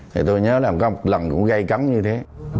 thì tôi nhớ là có một lần cũng gây cấm như thế